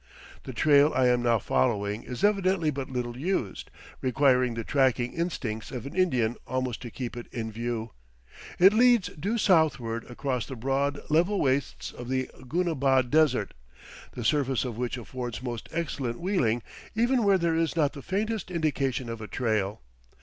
The trail I am now following is evidently but little used, requiring the tracking instincts of an Indian almost to keep it in view. It leads due southward across the broad, level wastes of the Goonabad Desert, the surface of which affords most excellent wheeling even where there is not the faintest indication of a trail.